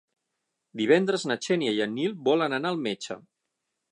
Divendres na Xènia i en Nil volen anar al metge.